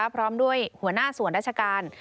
พร้อมด้วยหัวหน้าส่วนราชการ